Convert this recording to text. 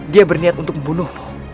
dia berniat untuk membunuhmu